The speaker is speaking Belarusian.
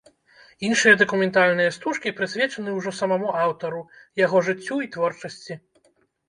Іншыя дакументальныя стужкі прысвечаны ўжо самому аўтару, яго жыццю і творчасці.